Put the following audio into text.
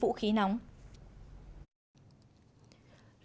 lực lượng chức năng đã kịp thời áp sát đối tượng